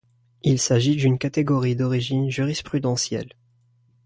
Il s'agit d'une catégorie d'origine jurisprudentielle.